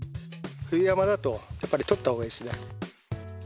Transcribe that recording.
冬山だとやっぱり取った方がいいですね。